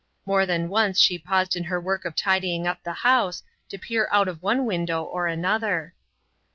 More than once she paused in her work of tidying up the house to peer out of one window or another.